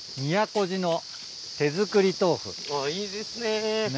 いいですね。